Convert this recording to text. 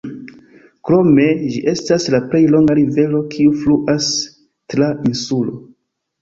Krome ĝi estas la plej longa rivero kiu fluas tra insulo.